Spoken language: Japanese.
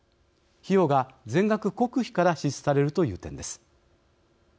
費用が全額国費から支出されるという点です。